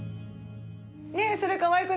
ねえそれかわいくない？